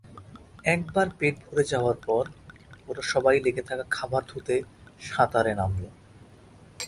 একবার পেট ভরে যাওয়ার পর, ওরা সবাই লেগে থাকা খাবার ধুতে সাঁতারে নামলো।